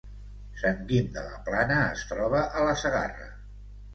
Sant Guim de la Plana es troba a la Segarra